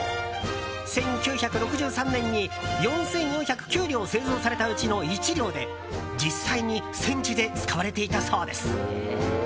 １９６３年に４４０９両製造されたうちの１両で実際に戦地で使われていたそうです。